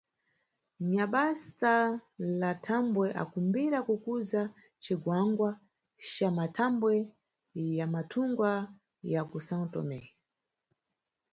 Nyabasa la nthambwe akumbira kukuza cigwangwa ca mʼmathambwe ya mathunga ya ku São Tomé.